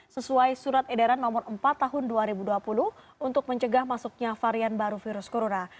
sesuai surat edaran no empat tahun dua ribu dua puluh untuk mencegah masuknya varian baru virus corona